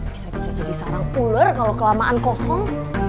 bisa bisa jadi sarang ular kalau kelamaan kosong